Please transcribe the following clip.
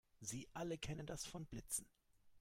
Sie alle kennen das von Blitzen.